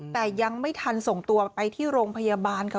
แต่ยังไม่ทันส่งตัวไปที่โรงพยาบาลค่ะ